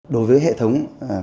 đối với hệ thống